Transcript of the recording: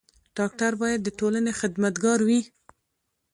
ډاکټر بايد د ټولني خدمت ګار وي.